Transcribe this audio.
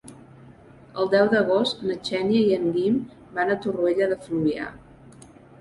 El deu d'agost na Xènia i en Guim van a Torroella de Fluvià.